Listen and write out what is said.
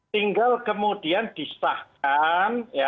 tinggal kemudian disahkan